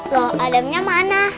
loh adamnya mana